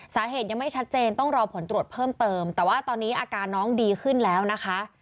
สาเหตุยังไม่ชัดเจนต้องรอผลตรวจเพิ่มเติมแต่ว่าตอนนี้อาการน้องดีขึ้นแล้วนะคะ